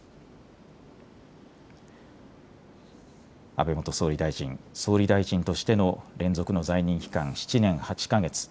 安倍元総理大臣、総理大臣としての連続の在任期間、７年８か月。